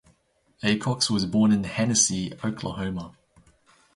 Aycox was born in Hennessey, Oklahoma.